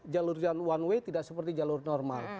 jalur yang one way tidak seperti jalur normal